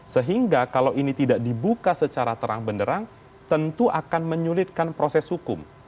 sehingga kalau ini tidak dibuka secara terang benderang tentu akan menyulitkan proses hukum